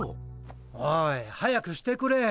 おい早くしてくれ。